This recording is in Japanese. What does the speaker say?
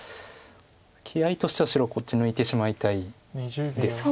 気合いとしては白こっち抜いてしまいたいです。